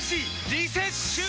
リセッシュー！